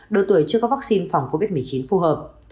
độ tuổi chưa có vaccine phòng covid một mươi chín phù hợp